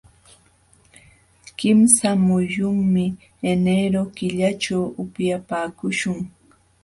Kimsa muyunmi enero killaćhu upyapaakuśhun.